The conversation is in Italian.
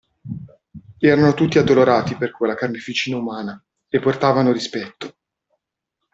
Erano tutti addolorati per quella carneficina umana, e portavano rispetto.